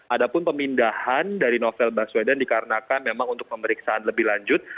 ada pun pemindahan dari novel baswedan dikarenakan memang untuk pemeriksaan lebih lanjut